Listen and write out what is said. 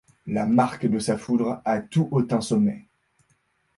La marque de sa foudre à tout hautain sommet ;